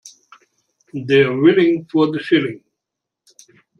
They're willing – for the shilling.